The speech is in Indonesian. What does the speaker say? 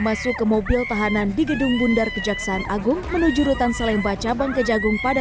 masuk ke mobil tahanan di gedung bundar kejaksaan agung menuju rutan salemba cabang kejagung pada